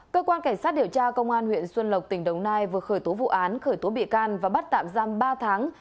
cơ quan cảnh sát điều tra công an huyện xuân lộc tỉnh đồng nai vừa khởi tố vụ án khởi tố bị can và bắt tạm giam ba tháng